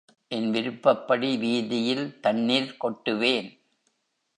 என் விருப்பப்படி வீதியில் தண்ணிர் கொட்டுவேன்.